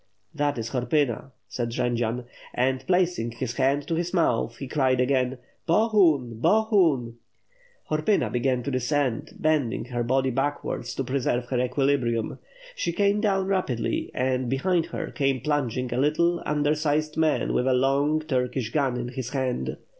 "That is Horpyna," said Jendzian; and, placing his hand to his mouth, he cried again "Bo — hun! Bo — hun!" Horpyna began to descend, bending her body backwards to preserve her equilibrium. She came down rapidly and, behind her, came plunging a little undersized man with a long Turkish gun in his hand.